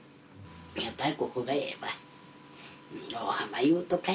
やっぱりここがええわい。